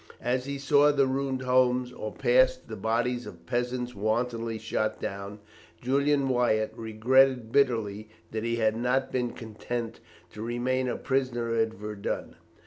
As he saw the ruined homes or passed the bodies of peasants wantonly shot down, Julian Wyatt regretted bitterly that he had not been content to remain a prisoner at Verdun.